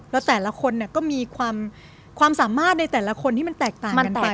แล้วแต่ละคนก็มีความสามารถในแต่ละคนที่มันแตกต่างกันไป